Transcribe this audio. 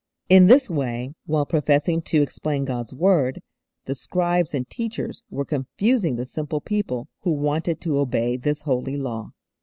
ENTRANCE] In this way, while professing to explain God's Word, the scribes and teachers were confusing the simple people who wanted to obey this Holy Law.